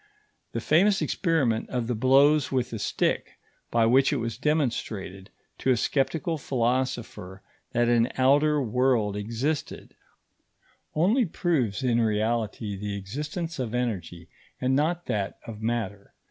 The famous experiment of the blows with a stick by which it was demonstrated to a sceptical philosopher that an outer world existed, only proves, in reality, the existence of energy, and not that of matter.